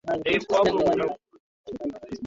i hiyo inatokana na kufikia maridhiano ya kisiasa